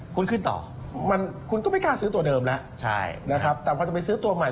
คุณขึ้นต่อมันคุณก็ไม่กล้าซื้อตัวเดิมแล้วใช่นะครับแต่พอจะไปซื้อตัวใหม่